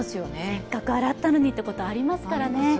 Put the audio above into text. せっかく洗ったのにということありますからね。